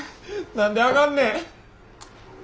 何であかんねん！